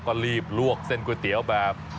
ก็รีบลวกเส้นก๋วยเตี๋ยวแบบ